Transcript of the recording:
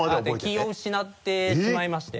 気を失ってしまいまして。